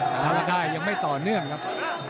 แต่ว่าได้ยังไม่ต่อเนื่องครับ